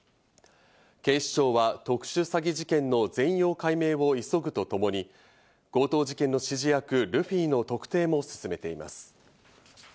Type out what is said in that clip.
警視庁は特殊詐欺事件の全容解明を急ぐとともに、強盗事件の指示役・ルフィの特定も進めています。